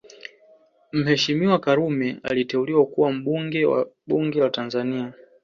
Mheshimiwa Karume aliteuliwa kuwa mbunge wa bunge la Tanzania